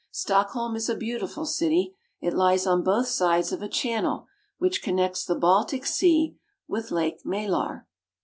Stockholm is a beautiful city. It lies on both sides of a channel which connects the Baltic Sea with Lake Malar (ma/lar).